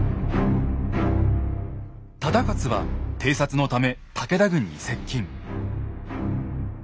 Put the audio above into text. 忠勝は偵察のため武田軍に接近。